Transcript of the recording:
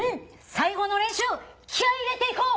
最後の練習気合入れていこう！